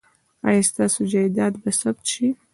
ایا ستاسو جایداد به ثبت شي؟